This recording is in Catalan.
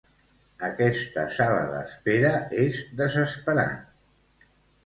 Aquesta sala d'espera és desesperant.